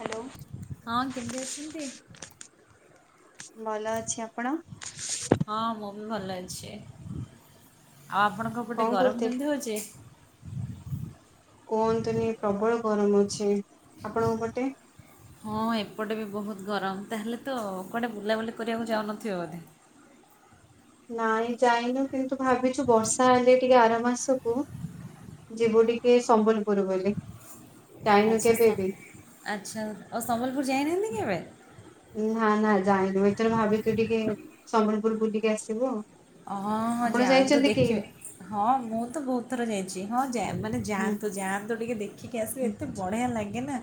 Hello. ହଁ କେମିତି ଅଛନ୍ତି? ଭଲ ଅଛି। ଆପଣ? ହଁ ମୁଁ ବି ଭଲ ଅଛି। ଆଉ ଆପଣଙ୍କ ପଟେ କଣ ଗରମ କରୁଥିଲେ? କେମିତି ହୋଉଚି। କୁହନ୍ତୁନି ପ୍ରବଳ ଗରମ ହୋଉଚି। ଆପଣଙ୍କ ପଟେ? ହଁ ଏପଟେ ବି ବୋହୁତ ଗରମ, ତାହେଲେ ତ କୁଆଡେ ବୁଲାବୁଲି କରିବାକୁ ଯାଉନଥିବ ବୋଧେ। ନାଇଁ ଯାଇନୁ, କିନ୍ତୁ ଭାବିଚୁ ବର୍ଷା ହେଲେ ଟିକେ ଆର ମାସକୁ ଯିବୁ ଟିକେ ସମ୍ବଲପୁର ବୁଲି। ଆଚ୍ଛା ସ ଆଚ୍ଛା ଓ ଓ ସମ୍ବଲପୁର ଯାଇନାହାନ୍ତି କେବେ? ନାଁ ନାଁ ଯାଇନୁ, ଏଥର ଭାବିଚୁ ଟିକେ ସମ୍ବଲପୁରୁ ବୁଲିକି ଆସିବୁ ଆଉ। ହଁ ହଁ ଆପଣ ଯାଆନ୍ତୁ ଯାଇଛନ୍ତି କି? ଦେଖିବେ। ହଁ ମୁଁ ତ ବୋହୁତ ଥର ଯାଇଚି। ହଁ ଯାଏ ମାନେ ହୁଁ ଯାଆନ୍ତୁ ଯାଆନ୍ତୁ ଟିକେ ଦେଖିକି ଆସିବେ ହୁଁ ଏତେ ବଢିଆ ଲାଗେ ନା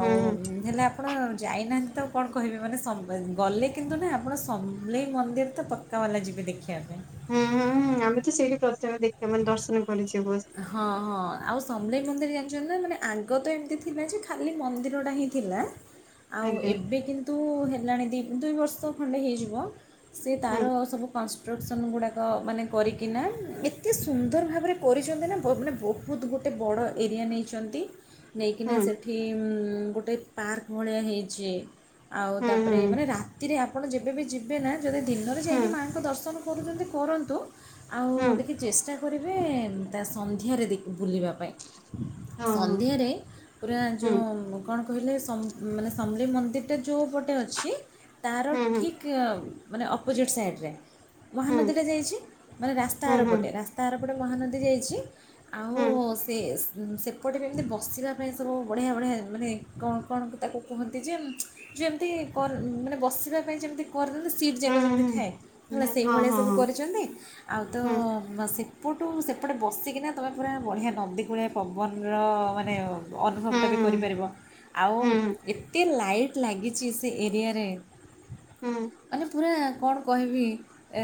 ହୁଁ ହୁଁ ହେଲା ଆପଣ ଯାଇନାହାନ୍ତି ତ କଣ କହିବେ ମାନେ ସମ୍ବଲ ଗଲେ କିନ୍ତୁ ନାହିଁ ଆପଣ ସମଲେଇ ମନ୍ଦିର ତ ପକ୍କା ବାଲା ଯିବେ ଦେଖିବା ପାଇଁ। ହୁଁ ହୁଁ ହୁଁ ଆମେ ତ ସେଇଠି ପ୍ରଥମେ ଦେଖିବା ମାନେ ଦର୍ଶନ କରିଯିବୁ। ହଁ ହଁ ଆଉ ସମଲେଇ ମନ୍ଦିର ଜାଣିଚନ୍ତି ନା ମାନେ ଆଗ ତ ଏମିତି ଥିଲା ଯେ ଖାଲି ମନ୍ଦିରଟା ହିଁ ଥିଲା। [inaudible] ଆଉ ଏବେ କିନ୍ତୁ ହେଲାଣି ଦି ଦୁଇ ବର୍ଷ ଖଣ୍ଡେ ହେଇଯିବ। ସେ ହୁଁ ତାର ସବୁ କନଷ୍ଟ୍ରକ୍ସନ୍ ଗୁଡାକ ମାନେ କରିକିନା ଏତେ ସୁନ୍ଦର ଭାବରେ କରିଛନ୍ତି ନା ମାନେ ବହୁତ ଗୋଟେ ବଡ଼ ଏରିଆ ନେଇଛନ୍ତି, ନେଇକିନା ହୁଁ ସେ ଏଠି ଗୋଟେ ପାର୍କ ଭଳିଆ ହେଇଛି ଆଉ ହୁଁ ତାପରେ ହୁଁ ମାନେ ରାତିରେ ଆପଣ ଯେ କେବେ ଯିବେ ନା ଯଦି ଦିନରେ ହୁଁ ଯାଇକି ମାଆଙ୍କ ଦର୍ଶନ କରୁଛନ୍ତି କରନ୍ତୁ ଆଉ ହୁଁ ଟିକେ ଚେଷ୍ଟା କରିବେ ତା ସନ୍ଧ୍ୟାରେ ଦେ ବୁଲିବା ପାଇଁ। ହଁ ସନ୍ଧ୍ୟାରେ ପୁରା ହଁ ଯୋଉ କଣ କହିଲେ ସମ ମାନେ ସମଲେଇ ମନ୍ଦିରଟା ଯୋଉ ପଟେ ଅଛି ତାର ହୁଁ ହୁଁ ହୁଁ ଠିକ୍ ଅ ମାନେ ଅପୋଜିଟ୍ ସାଇଡ଼ରେ ମହାନଦୀଟା ହୁଁ ଯାଇଛି ମାନେ ରାସ୍ତା ଆର ହୁଁ ହୁଁ ପଟେ ରାସ୍। ତାରପଟେ ମହାନଦୀ ଯାଇଛି ଆଉ ହୁଁ। ଆଉ ସେ ସେପଟେ ବି ଏମିତି ବସିବା ପାଇଁ ସବୁ ବଢ଼ିଆ ବଢ଼ିଆ ମାନେ କଣ କଣ ତାକୁ କୁହନ୍ତି ଯେ ଯେମିତି କ ମାନେ ବସିବା ପାଇଁ ଯେମିତି କରିଦେଲେ ସିଟ୍ ଯାକ ଯେମିତି ହଁ ଥାଏ ହେଲା ସେଇଭଳିଆ ସବୁ କରିଛନ୍ତି ଆଉ ତ ସେପଟୁ ସେପଟେ ବସିକିନା ତୁମେ ପୁରା ବଢ଼ିଆ ନଦୀ କୂଳିଆ ପବନର ମାନେ ଅନୁଭବଟା ବି କରିପାରିବ ଆଉ ଏତେ ଲାଇଟ୍ ଲାଗିଛି ସେ ଏରିଆରେ। ହୁଁ। ମାନେ ପୁରା କଣ କହିବି ଏ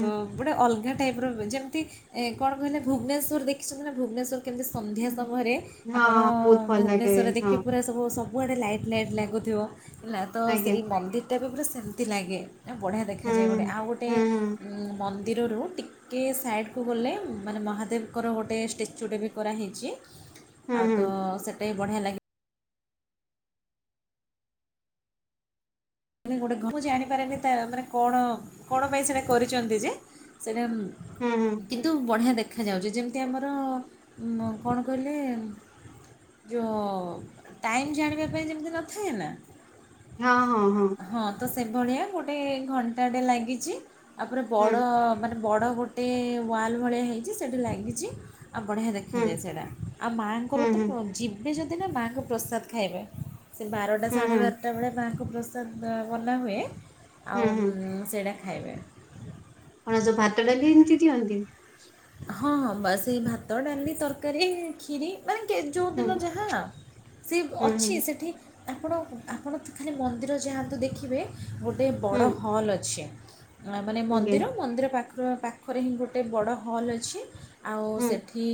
ବ ଗୋଟେ ଅଲଗା ଟାଇପ୍ର ଯେମିତି କଣ କହିଲେ ଭୁବନେଶ୍ୱର ଦେଖିଛନ୍ତି ନା ଭୁବନେଶ୍ୱର କେମିତି ସନ୍ଧ୍ୟା ସମୟରେ ଆପଣ ବହୁତ ଭଲ ଲାଗେ ଭୁବନେଶ୍ୱରରେ ହଁ ଦେଖିବେ ପୁରା ସବୁ ସ ବୁ ଆଡ଼େ ଲାଇଟ୍ ଲାଇଟ୍ ଲାଗୁଥିବ ହେଲା ତ ଆଜ୍ଞା ସେଇ ମନ୍ଦିରଟା ବି ପୁରା ସେମିତି ଲାଗେ। ବଢ଼ିଆ ଦେଖାଯାଏ ଗୋଟେ ହୁଁ ଆଉ ଗୋଟେ ହୁଁ ମନ୍ଦିରରୁ ଟିକଏ ସାଇଡ଼କୁ ଗଲେ। ମାନେ ମହାଦେବଙ୍କର ଗୋଟେ ଷ୍ଟାଚ୍ୟୁଟେ ବି କରାହେଇଛି, ହୁଁ ଆଉ ତ ହୁଁ ସେଇଟା ବି ବଢ଼ିଆ ଲାଗେ। ଗୋଟେ ଘ ମୁଁ ଜାଣିପାରେନି ମାନେ କଣ କଣ ପାଇଁ ସେଟା କରିଛନ୍ତି ଯେ ସେଟା ହୁଁ ହୁଁ। କିନ୍ତୁ ବଢ଼ିଆ ଦେଖାଯାଉଛି ଯେମିତି ଆମର କଣ କହିଲେ? ଯୋଉଁ ଟାଇମ୍ ଜାଣିବା ପାଇଁ ଯେମିତି ନଥାଏ ନା। ହଁ ହଁ ହଁ। ହଁ ତ ସେଭଳିଆ ଗୋଟେ ଘଣ୍ଟା ଟେ ଲାଗିଛି ଆପରେ ବଡ ହଁ ମାନେ ବଡ ଗୋଟେ ୱାଲ ଭଳିଆ ହେଇଛି ସେଇଠି ଲାଗିଛି। ଆଉ ବଢ଼ିଆ ହୁଁ ଦେଖାଯାଏ ସେଇଟା ଆଉ ମାଆଙ୍କର ହୁଁ ହୁଁ ତ ହୁଁ ପ୍ରଜି ଏବେ ଯଦି ନା ମାଆଙ୍କ ପ୍ରସାଦ ଖାଇବେ ସେ ବାରଟା ହୁଁ ସାଢ଼େ ହୁଁ ବାରଟା ବେଳେ ମାଆଙ୍କୁ ପ୍ରସାଦ ସେ ଭଲ ହୁଏ ହୁଁ ଆଉ ହୁଁ ସେଇଟା ଖାଇବେ। କଣ ସବୁ ଭାତ ଡାଲି ଏମିତି ଦିଅନ୍ତି? ହଁ ହଁ ବା ସେଇ ଭାତ, ଡାଲି, ତରକାରୀ, ଖିରି। ମାନେ କି ହୁଁ ଯୋଉଦିନ ଯାହା ସେ ହୁଁ ହୁଁ ଅଛି ସେଠି ଆପଣ ଆପଣ ତ ଖାଲି ମନ୍ଦିର ଯାଆନ୍ତୁ ଦେଖିବେ। ଗୋଟେ ବଡ ହୁଁ ହଲ୍ ଅଛି ମାନେ ଆଜ୍ଞା ମନ୍ଦିର ମନ୍ଦିର ପାଖ ପାଖରେ ହିଁ ଗୋଟେ ବଡ଼ ହଲ୍ ଅଛି, ଆଉ ହୁଁ ସେଠ କି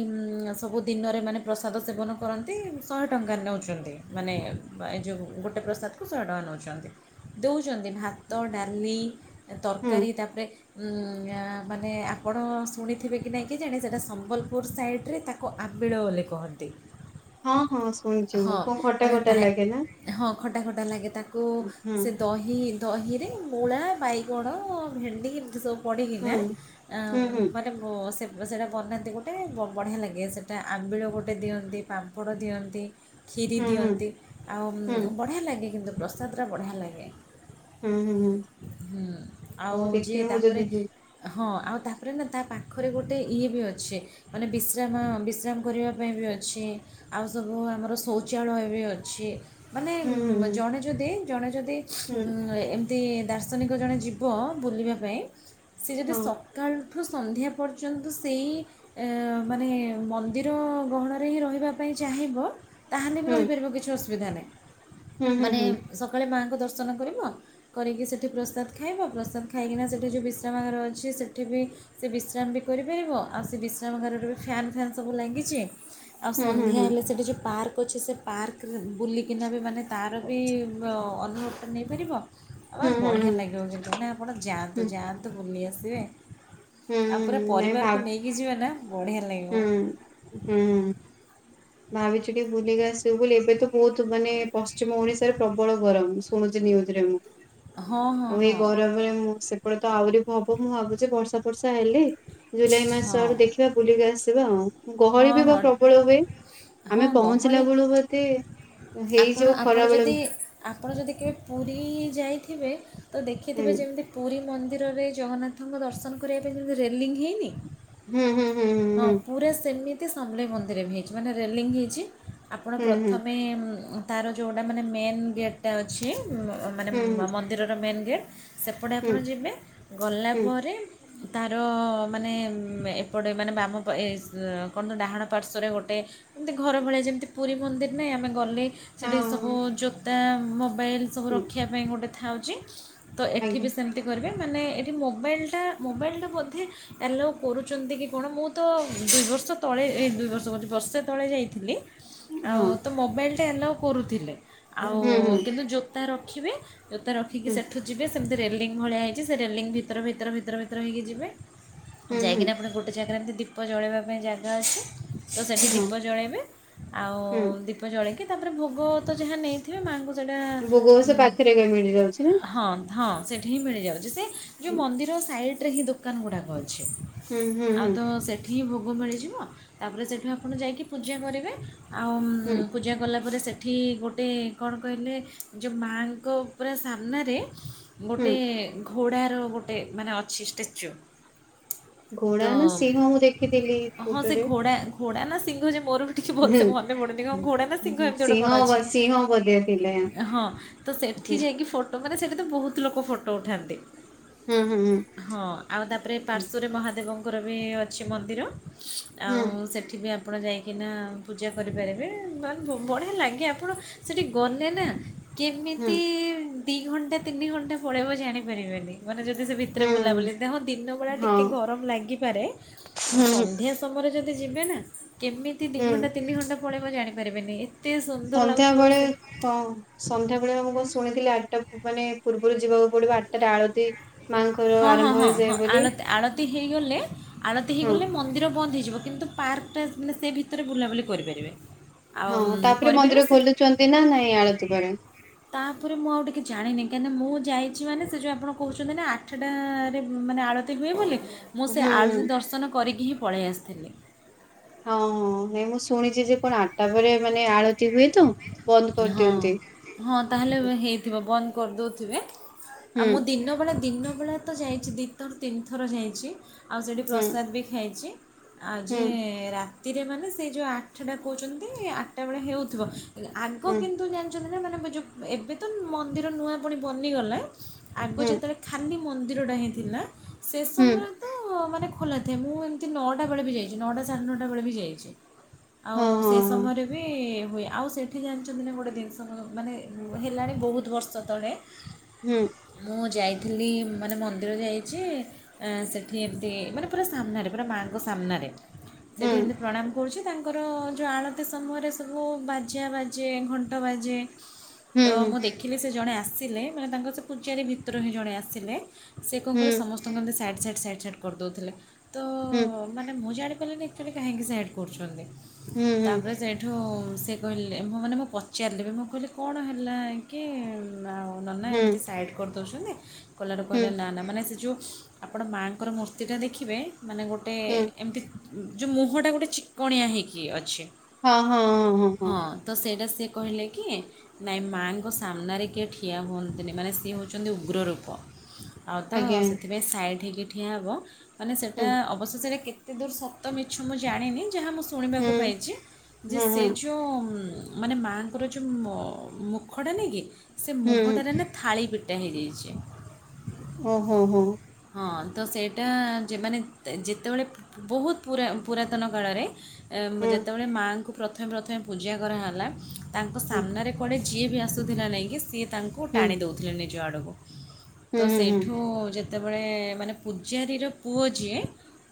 ସବୁ ଦିନରେ ମାନେ ପ୍ରସାଦ ସେବନ କରନ୍ତି ଶହେ ଟଙ୍କାରେ ନେଉଛନ୍ତି। ମାନେ ଏ ଯେଉଁ ଗୋଟେ ପ୍ରସାଦକୁ ଶହେଟଙ୍କା ନେଉଛନ୍ତି। ଦଉଛନ୍ତି ଭାତ ଡାଲି। ହୁଁ ତରକାରୀ ତାପରେ ଉଁ ମାନେ ଆପଣ ଶୁଣିଥିବେ କି ନାହିଁ କେଜାଣି ସେଇଟା ସମ୍ବଲପୁର ସାଇଡ଼୍ରେ ତାକୁ ଆମ୍ବିଳ ବୋଲି କହନ୍ତି। ହଁ ହଁ ଶୁଣିଛି ହଁ ମୁଁ କଣ କଟା ମାନେ କଟା ତାହା ଲାଗେ ନା। ହଁ ଖଟା ଖଟା ଲାଗେ ତାକୁ ହୁଁ ସେ ହୁଁ ଦହି ଦହିରେ ମୂଳା, ବାଇଗଣ, ଭେଣ୍ଡି ଏମିତି ସବୁ ହୁଁ ପଡ଼ିକିନା ଆ ହୁଁ ହୁଁ ଗୋଟେ ସେ ସେଇଟା ବନାନ୍ତି ଗୋଟେ ବଢ଼ିଆ ଲାଗେ ସେଇଟା ଆମ୍ବିଳ ଗୋଟେ ଦିଅନ୍ତି। ପାମ୍ପଡ଼ ଦିଅନ୍ତି। ଖିରି ହୁଁ ହୁଁ ଦିଅନ୍ତି, ଆଉ ହୁଁ ବଢ଼ିଆ ଲାଗେ କିନ୍ତୁ ପ୍ରସାଦଟା ବଢ଼ିଆ ଲାଗେ। ହୁଁ ହୁଁ ହୁଁ ଆଉ ହଉ ଯିଏ ଦେଖିବି ମୁଁ ତାପରେ ଯଦି ଯିବି ହଁ ଆଉ ତାପରେ ନା ତା ପାଖରେ ଗୋଟେ ଇଏ ବି ଅଛି ମାନେ ବିଶ୍ରାମ ବିଶ୍ରାମ କରିବା ପାଇଁ ବି ଅଛି। ଆଉ ସବୁ ଆମର ଶୌଚାଳୟ ବି ଅଛି। ମାନେ ହୁଁ ହୁଁ ଜଣେ ଯଦି ଜଣେ ଯଦି ହୁଁ ଉଁ ଏମ ତି ଦାର୍ଶନିକ ଜଣେ ଯୀବ ବୁଲିବା ପାଇଁ ସେ ଯଦି ହଁ ସକାଳଠୁ ସନ୍ଧ୍ୟା ପର୍ଯ୍ୟନ୍ତ ସେଇ ଏଁ ମାନେ ମନ୍ଦିର ଗହଣରେ ହିଁ ରହିବା ପାଇଁ ଚାହିଁବ ତାହେଲେ ବି ହୁଁ ରହିପାରିବ କିଛି ଅସୁବିଧା ନାହିଁ ହୁଁ ହୁଁ ମାନେ ହୁଁ ସକାଳେ ମାଆଙ୍କୁ ଦର୍ଶନ କରିବ କରିକି ସେଠି ପ୍ରସାଦ ଖାଇବ ପ୍ରସାଦ ଖାଇକିନା ସେଠି ଯେଉଁ ବିଶ୍ରାମଗାର ଅଛି ସେଠି ବି ସେ ବିଶ୍ରାମ ବି କରିପାରିବ ଆଉ ସେ ବିଶ୍ରାମ ଗାରରେ ବି ଫ୍ୟାନ୍ ଫ୍ୟାନ୍ ସବୁ ଲାଗିଛି। ଆଉ ହୁଁ ସନ୍ଧ୍ୟା ହୁଁ ହେଲେ ସେଠି ଯେଉଁ ପାର୍କ ଅଛି ସେ ପାର୍କରେ ବୁଲିକିନା ବି ମାନେ ତାର ବି ଅନୁମତ ନେଇପାରିବ ଆ ହୁଁ ହୁଁ ହୁଁ ହୁଁ ବଢ଼ିଆ ଲାଗିବ କିନ୍ତୁ। ନହେଲେ ଆପଣ ହୁଁ ଯାଆନ୍ତୁ ଯାଆନ୍ତୁ ବୁଲି ଆସିବେ। ଆଉ ପୁରା ହୁଁ ନାଇଁ ଭାବ ପରିବାରକୁ ନେଇକି ଯିବା ନା ବଢିଆ ଲାଗିବ। ହୁଁ ହୁଁ ଭାବୁଚି ଟିକେ ବୁଲିକି ଆସିବୁ ବୋଲି ଏବେ ତ ବହୁତ ମାନେ ପଶ୍ଚିମ ଓଡିଶାରେ ପ୍ରବଳ ଗରମ ଶୁଣୁଛି ନିଉଜରେ ମୁଁ ହଁ ହଁ ଆଉ ଏଇ ହଁ ଗରମ ମୁଁ ସେପଟେ ତ ଆହୁରି ହବ ମୁଁ ଭାବୁଛି ବର୍ଷା ବର୍ଷା ହେଲେ ଜୁଲାଇ ମାସ ହଁ ଆଡୁ ଦେଖିବା ବୁଲିକି ଆସିବା ଆଉ ଗହଳି ହଁ ବି ବା ହଁ ପ୍ରବଳ ହୁଏ ହଁ ଆମେ ପହଞ୍ଚିଲା ଗହଳି ବେଳୁ ବୋଧେ ଆପଣ ହେଇଯିବ ଆପଣ ଯଦି ଖରାବେଳେବି ଆପଣ ଯଦି କେବେ ପୁରୀ ଯାଇଥିବେ ତ ହୁଁ ଦେଖିଥିବେ ଯେମିତି ପୁରୀ ମନ୍ଦିରରେ ଜଗନ୍ନାଥଙ୍କ ଦର୍ଶନ କରିବା ପାଇଁ ଯେମିତି ରେଲିଙ୍ଗ ହେଇନି? ହୁଁ ହୁଁ ହୁଁହୁଁ। ହଁ ପୁରା ସେମିତି ଶମଲେଇ ମନ୍ଦିର ବି ହେଇଛି ମାନେ ରେଲିଙ୍ଗ ହେଇଛି ଆପଣ ହୁଁ ହୁଁ ପ୍ରଥମେ ତାର ଯେଉଁଟା ମାନେ ମେନ୍ ଗେଟ୍ ଟା ଅଛି ମାନେ ହୁଁ ହୁଁ ମନ୍ଦିରର ମେନ୍ ଗେଟ୍ ସେପଟେ ହୁଁ ହୁଁ ଆପଣ ଯିବେ ଗଲା ହୁଁ ପରେ ତାର ମାନେ ଏପଟେ ମାନେ ବାମ ପା ଏ କଣତ ଡାହାଣ ପାର୍ଶ୍ଵରେ ଗୋଟେ ଏମିତି ଘର ଭଳିଆ ଯେମିତି ପୁରୀ ମନ୍ଦିର ନାଇ ଆମେ ଗଲେ ସେଠି ହଁ ସବୁ ଜୋତା ମୋବାଇଲ ସବୁ ହୁଁ, ରଖିବା ପାଇଁ ଗୋଟେ ଥାଉଛି ତ ଏଠି ଆଜ୍ଞା ବି ସେମ କରିବେ ମାନେ ଏଠି ମୋବାଇଲଟା ମୋବାଇଲଟା ବୋଧେ ଆଲାଓ କରୁଛନ୍ତି କି କଣ ମୁଁ ତ ଦୁଇ ବର୍ଷ ତଳେ ଏ ଦୁଇ ବର୍ଷ କୋହୁଚି ବର୍ଷେ ତଳେ ଯାଇଥିଲି। ଆଉ ହଁ ତ ମୋବାଇଲ ଟା ଆଲାଉ କରୁଥିଲେ ଆଉ ହୁଁ ହୁଁ କିନ୍ତୁ ଜୋତା ରଖିବେ ଜୋତା ରଖିକି ହୁଁ ସେଠୁ ଯିବେ ସେମିତି ରେଲିଙ୍ଗଂ ଭଳିଆ ହେଇଛି ସେ ରେଲିଙ୍ଗ ଭିତର ଭିତର ଭିତର ଭିତର ହେଇକି ଯିବେ। ହୁଁ ହୁଁ ଯାଇକିନା ଆପଣ ଗୋଟେ ଜାଗାରେ ଏମିତି ଦୀପ ଜଳେଇବା ପାଇଁ ଜାଗା ଅଛି। ତ ସେଠି ହଁ ଦୀପ ଜଳାଇବେ ଆଉ ହୁଁ ଦୀପ ଜଳେଇକି ତାପରେ ଭୋଗ ତ ଯାହା ନେଇ ଯିବେ ମାଆଙ୍କୁ ସେଇଟା ଭୋଗ ସେ ପାଖରେ ଏକା ମିଳିଯାଉଛି ନା ହଁ ହଁ ସେଇଠି ହିଁ ମିଳିଯାଉଛି ସେ ଯୋଉ ହୁଁ ମନ୍ଦିର ସାଇଡରେ ହିଁ ଦୋକାନ ଗୁଡାକ ଅଛି। ହୁଁ ହୁଁ ଆଉ ହୁଁ ତ ସେଠି ହିଁ ଭୋଗ ମିଳିଯିବ ତାପରେ ସେଠୁ ଆପଣ ଯାଇକି ପୂଜା କରିବେ। ଆଉ ହୁଁ ପୂଜା କଲା ପରେ ସେ ଠି ଗୋଟେ କଣ କହିଲେ ଯୋଉ ମାଙ୍କ ପୁରା ସାମ୍ନାରେ ହୁଁ ଗୋଟେ ଘୋଡ଼ାର ଗୋଟେ ମାନେ ଅଛି ଷ୍ଟାଚ୍ୟୁ। ତ ଘୋଡା ନା ସିଂହ ମୁଁ ଦେଖିଥିଲି ଫୋଟୋରେ। ଘୋଡା ନା ସିଂଘ ଯେ ମୋର ବି ଟିକେ ହୁଁ ଭଲସେ ମନେ ପଡୁନି କଣ ଘୋଡା ନା ହୁଁ ସିଂଘ ହୁଁ ଏମିତି ଗୋଟେ ସିଂହ କଣ ବ- ଅଛି ସିଂହ ବୋଧେ ଥିଲେ ହଁ। ତ ହୁଁ ସେଠି ଯାଇକି ଫଟୋ ମାନେ ସେଠି ତ ବହୁତ ଲୋକ ଫଟୋ ଉଠାନ୍ତି। ହୁଁ ହୁଁ ହୁଁ। ହଁ ଆଉ ତାପରେ ହୁଁ ପାର୍ଶ୍ୱରେ ମହାଦେବଙ୍କର ବି ଅଛି ମନ୍ଦିର। ହୁଁ ଆଉ ସେଠି ବି ଆ ଆପଣ ଯାଇକିନା ପୂଜା କରିପାରିବେ ବଢିଆ ଲାଗେ ଆପଣ ସେଠି ଗଲେ ନା ହୁଁ କେମିତି ଦି ଘଣ୍ଟା ତିନି ଘଣ୍ଟା ପଳେଇବ ଜାଣିପାରିବେନି ମାନେ ଯଦି ସେ ରେ ବୁଲାବୁଲି ଦେହ ଦିନ ବେଳା ହଁ ଟିକେ ଗରମ ଲାଗିପାରେ ହୁଁ ସଧ୍ୟ ସମୟରେ ଯଦି ଯିବେ ନା କେମିତି ଦୁଇ ହୁଁ ଘଣ୍ଟା ତିନି ଘଣ୍ଟା ପଳେଇବ ଜାଣିପାରିବିନି ଏ ଏତେ ସୁନ୍ଦର ଲାଗୁଥିବ ସେ ସନ୍ଧ୍ୟାବେେଳେ ଆମଁ କଣ ଶୁଣିଥିଲି ଆଠଟା ମାନେ ପୂର୍ବରୁ ଯିବାକୁ ପଡିବ ଆଠଟାରେ ଆଳତି। ମାଙ୍କର ହଁ ହଁ ଆରମ୍ଭ ହଁ ହେଇଯାଏ ହଁ ବୋଲି ଆଳତି ହେଇଗଲେ ଆଳତି ହଁ ହେଇଗଲେ ମନ୍ଦିର ବନ୍ଦ ହେଇଯିବ କିନ୍ତୁ ପାର୍କଟା ମାନେ ସେ ଭିତରେ ବୁଲାବୁଲି କରିପାରିବେ। ଆଉ ହଁ ଉମ୍, ତାପରେ କରିପାରିବେ ମନ୍ଦିର ସେ ଖୋଲୁଛନ୍ତି ନା ନାଇଁ ଆଳତି ପରେରେ? ତାପରେ ମୁଁ ଆଉ ଟିକିେ ଜାନିନି କାହିଁକିନା ମୁଁ ଯାଇଛି ମାନେ ସେ ଯଉ ଆପଣ କହୁଛନ୍ତି ନା ଆ ଠଟାରେ ମାନେ ଆଳତି ହୁଏ ବୋଲି ମୁଁ ହୁଁ ସେ ହଁ ଆଳତି ଦର୍ଶନ କରିକି ହିଁ ପଳେଇ ଆସିଥିଲି। ହଁ ହଁ ନାଇଁ ମୁଁ ଶୁଣିଛି ଯେ କଣ ଆଠଟା ପରେ ମାନେ ଆଳତି ହୁଏ ତ ବନ୍ଦ ହଁ କରିଦିଅନ୍ତି। ହଁ ତାହେଲେ ହେଇଥିବ ବନ୍ଦ କରିଦଉଥିବେ ଆଉ ହୁଁ ମୁଁ ଦିନବେଳା ଦିନବେଳା ଯାଇଛି ଦୁଇ ଥର ତିନି ଥର ଯାଇଛି ଆଉ ସେଇଠି ହୁଁ ପ୍ରସାଦ ବି ଖାଇଛି। ଆଉ ଯେ ହୁଁ ରାତିରେ ମାନେ ସେଇ ଯୋଉ ଆଠଟାଟା କହୁଛନ୍ତି ଆଠଟା ବେଳେ ହେଉଥିବ ଆଗ ହୁଁ କିନ୍ତୁ ଜାଣିଛନ୍ତି ନା ମାନେ ଏବେ ତ ମନ୍ଦିର ନୂଆ ପୁଣି ବନିଗଲା। ଆଗ ହୁଁ ଯେତେବେଳେ ଖାଲି ମନ୍ଦିର ଟା ହିଁ ଥିଲା ସେ ହୁଁ ସମୟରେ ତ ମାନେ ଖୋଲା ଥାଏ ମୁଁ ଏମିତି ନଅଟା ବେଳେ ବି ଯାଇଛି ନଅଟା ସାଢ଼େ ନଅଟା ବେଳେ ବି ଯାଇଛି। ଆଉ ହଁ ସେ ହଁ ସମୟରେ ବି ହୁଏ ଆଉ ସେ ଏଠି ଜାଣିଛନ୍ତି ନା ଗୋଟେ ଜିନିଷ ମାନେ ହେଲାଣି ବହୁତ ବର୍ଷ ତଳେ ହଁ ମୁଁ ଯାଇଥିଲି ମାନେ ମନ୍ଦିର ଯାଇଛି ଅ ସେଠି ଏମିତି ମାନେ ପୁରା ସାମ୍ନାରେ ପୁରା ମାଙ୍କ ସାମ୍ନାରେ ହୁଁ ସେଠି ଏମିତି ପ୍ରଣାମ କରୁଛି ତା ତାଙ୍କର ଯେଉଁ ଆଳତି ସମୟରେ ସବୁ ବାଜା ବାଜେ ଘଣ୍ଟ ବାଜେ ହୁଁ ତ ହୁଁ ମୁଁ ଦେଖିଲି ସେ ଜଣେ ଆସିଲେ ମାନେ ତାଙ୍କର ସେ ପୂଜାରୀ ଭିତରୁ ହିଁ ଜଣେ ଆସିଲେ ସେ କଣ ହୁଁ କହିଲ ସମସ୍ତଙ୍କ ଏମତି ସାଇଟ୍ ସାଇଟ୍ ସାଇଟ୍ ସାଇଟ୍ କରିଦଉଥିଲେ ତ ହୁଁ ମାନେ ମୁଁ ଜାଣି ପାରିଲିନି କାହିଁକି କରଛନ୍ତି ହୁଁ ହୁଁ ତାପରେ ଏଠୁ ସେ କହିଲେ ମାନେ ମୁଁ ପଚାରିଲେ ବି ମୁଁ କହିଲି କ ଣ ହେଲା କି ଆଉ ହଉ ନା ହୁଁ ଏମିତି ସାଇଡ଼୍ କରିଦେଉଛନ୍ତି କଲାର ହୁଁ କହିଲା ନା ନା ମାନେ ସେ ଯେଉଁ ଆପଣ ମାଆଙ୍କର ମୂର୍ତ୍ତିଟା ଦେଖିବେ ମାନେ ଗୋଟେ ହୁଁ ହୁଁ ଏମିତି ଯୋଉ ମୁହଁ ଟା ଗୋଟେ ଚିକଣିଆ ହେଇକି ଅଛି। ହଁ ହଁ ହଁ ହଁ ହଁ ହଁ ତ ସେଇଟା ସିଏ କହିଲେ କି ନାଇଁ ମାଆଙ୍କ ସାମ୍ନାରେ କିଏ ଠିଆ ହୁଅନ୍ତିନି ମାନେ ସେିଏ ହେଉଛନ୍ତି ଉଗ୍ର ରୂପ ଆଉ ତ ଆଜ୍ଞା ସେଥିପାଇଁ ସାଇଡ଼ ହେି ଠିଆ ହୁଁ ହେବାନଟା ଅବଶେଷରେ କେତେ ଦୂର ସତ ମିଛ ମୁଁ ଜାଣିନି ଯାହା ମୁଁ ହୁଁ ଶୁଣିବାକୁ ପାଇଛି ଯେ ହୁଁ ହୁଁ ଯୋଉ ମାନେ ମାଙ୍କର ଯୋଉ ମୁଖଟା ନାଇ କି ସେ ହୁଁ ମୁହଁଟାରେ ନା ଥାଳି ପିଟା ହେଇଯାଇଛେ ଓ ହୋ ହୋଁ ହଁ ତ ସେଇଟା ଯେମାନେ ଯେତେବେଳେ ବହୁତ ପ ପୁରାତନ କାଳରେ ହୁଁ ଯେତେବେଳେ ମାଆଙ୍କୁ ପ୍ରଥମେ ପ୍ରଥମେ ପୂଜା କରାହେଲା ତାଙ୍କ ହୁଁ ସାମ୍ନାରେ କଡ଼ ଯିଏ ବି ଆସୁଥିଲା ନାଇଁକି ସିଏ ତାଙ୍କୁ ହୁଁ ଟାଣି ଦେଉଥିଲେ ନିଜ ଆଡ଼କୁ ତ ହୁଁ ହୁଁ ସେଇଠୁ ଯେତେବେଳେ ମାନେ ପୂଜାରୀର ପୁଅ ଯିଏ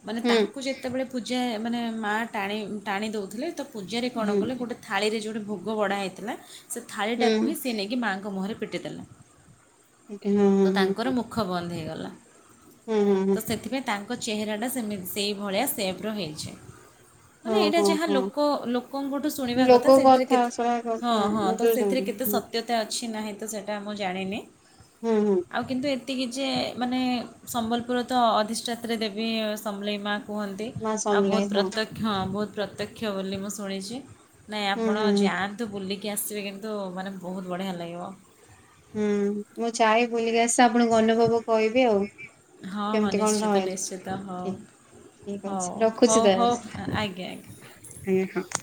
ମାନେ ହୁଁ ତାକୁ ଯେତେବେଳେ ପୂଜା ମାନେ ମା ଟାଣି ଟାଣି ଦେଉଥିଲେ ତ ପୂଜାରେ କଣ ହୁଁ କଲେ ଗୋଟେ ଥାଳିରେ ଯୋଉଟି ଭୋଗ ବଢା ହେଇଥିଲା, ସେ ହୁଁ ଥାଳିଟାକୁ ହିଁ ସେ ନେଇକି ମାଙ୍କ ମୁହଁରେ ପିଟି ଦେଲା, ହୁଁ ହଁ ତ ହଁ ହଁ ତାଙ୍କର ମୁ ମୁଖ ବନ୍ଦ ହେଇଗଲା ହଁ ହଁ ହଁ ତ ସେଥିପାଇଁ ତାଙ୍କ ଚେହେରାଟା ସେମିତି ସେଇଭଳିଆ ସେପ୍ ର ହେଇଚି। ହଁ ମାନେ ଏଇଟା ହଁ ଯାହା ହଁ ଲୋକ ଲୋକଙ୍କଠୁ ଶୁଣିବା କଥା ଲୋକ ସେଥିରେ କେତେ ଶୁଣା ହଁ କଥା ହଁ ତ ସେଥିରେ ବୁଝୁଛନ୍ତି କେତେ ହୁଁ ସତ୍ୟ ତା ଅଛି ନାହିଁ ତ ସେଇଟା ମୁଁ ଜାଣିନି, ହୁଁ ହୁଁ। ଆଉ କିନ୍ତୁ ଏ ଏତିକି ଯେ ମାନେ ସମ୍ବଲପୁର ତ ଅଧିଷ୍ଠାତ୍ରୀ ଦେବି ସମଲେଇ ମା କୁହନ୍ତି ମା ଆଉ ବହୁତ ସମଲାଇ ପ୍ରତ୍ୟ ହଁ ବହୁତ ପ୍ରତ୍ୟକ୍ଷ ବୋଲି ମୁଁ ଶୁଣିଚି, ନାଇଁ ହୁଁ ଆପଣ ହୁଁ ଯାଆନ୍ ନ୍ତୁ ବୁଲିକି ଆସିିବେ କିନ୍ତୁ ମାନେ ବହୁତ ବଢ଼ିଆ ଲାଗିବ। ହୁଁ ମୁଁ ଯାଏ ବୁଲିକି ଆସି ଆପଣଙ୍କୁ ଅନୁଭବ କହିବି ଆଉ। ହଁ ହଁ କେମିତି କଣ ନିଶ୍ଚିତ ରହିଲେ ନିଶ୍ଚିତ ହଉ। ଠିକ ଠିକ ଅଛି ହଉ ରଖୁଛି ହଉ ତାହେଲେ ହଉ ଆଜ୍ଞା ଆଜ୍ଞା। [unintelligible]